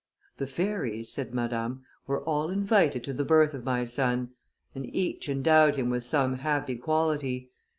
"The fairies," said Madame, "were all invited to the birth of my son; and each endowed him with some happy quality.